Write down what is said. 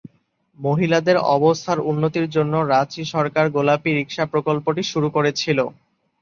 মহিলাদের অবস্থার উন্নতির জন্য রাঁচি সরকার গোলাপী রিকশা প্রকল্পটি শুরু করেছিল।